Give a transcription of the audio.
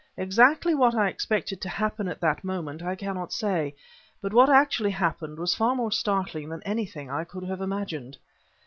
Exactly what I expected to happen at that moment I cannot say, but what actually happened was far more startling than anything I could have imagined.